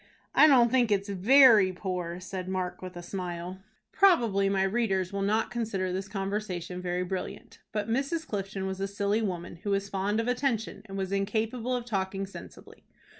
"I don't think it's very poor," said Mark, with a smile. Probably my readers will not consider this conversation very brilliant; but Mrs. Clifton was a silly woman, who was fond of attention, and was incapable of talking sensibly.